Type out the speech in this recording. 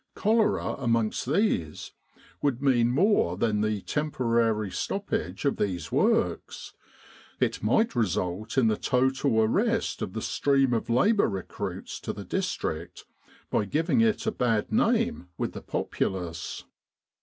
Cholera amongst these would mean more than the temporary stoppage of these works : it might result in the total arrest of the stream of labour recruits to the district by giving it a bad name with the populace.